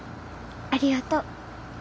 ありがとう。